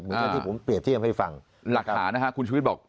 เหมือนกันที่ผมเปรียบเที่ยมให้ฟังหลักหานะครับคุณชูวิตบอก